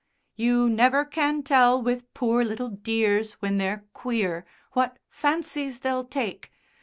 "You never can tell with poor little dears when they're 'queer' what fancies they'll take.